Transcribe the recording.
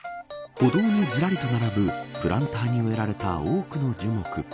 歩道にずらりと並ぶプランターに植えられた多くの樹木。